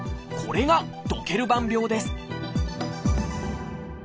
これがドケルバン病です